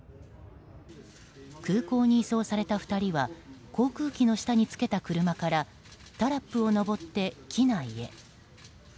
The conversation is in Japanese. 空港に移送された２人は航空機の下につけた車からタラップを上って、機内へ。